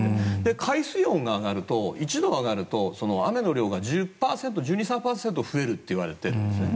海水温が上がると１度上がると雨の量が１２１３％増えると言われているんですね。